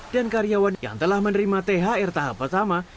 dan karyawan yang telah menerima thr tahap pertama